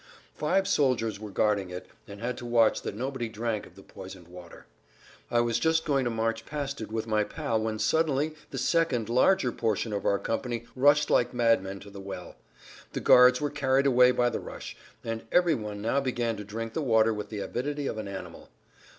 Five soldiers were guarding it and had to watch that nobody drank of the poisoned water. I was just going to march past it with my pal when suddenly the second, larger portion of our company rushed like madmen to the well. The guards were carried away by the rush, and every one now began to drink the water with the avidity of an animal.